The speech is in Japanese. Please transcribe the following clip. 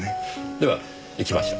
では行きましょう。